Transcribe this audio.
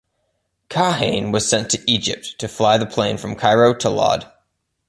Kahane was sent to Egypt to fly the plane from Cairo to Lod.